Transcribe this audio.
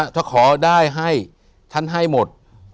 ถ้าขอได้ให้ฉันให้หมด